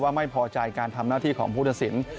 ว่าไม่พอใจการทำหน้าที่ของผู้ทศิลป์